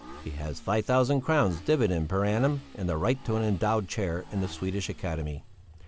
He has five thousand crowns dividend per annum and the right to an endowed chair in the Swedish Academy.